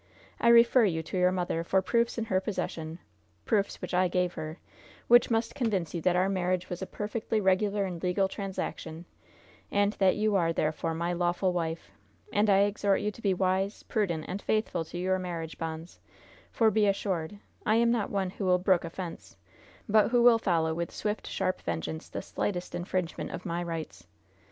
I refer you to your mother for proofs in her possession proofs which I gave her, and which must convince you that our marriage was a perfectly regular and legal transaction, and that you are, therefore, my lawful wife, and I exhort you to be wise, prudent and faithful to your marriage bonds; for, be assured, I am not one who will brook offense, but who will follow with swift, sharp vengeance the slightest infringement of my rights.